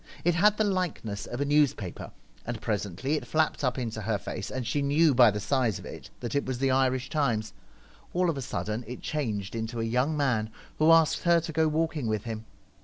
It had the likeness of a news paper, and presently it flapped up into her face, and she knew by the size of it that it was the Irish Ti?7ies. All of a sudden it changed into a young man, who asked her to go walking with him.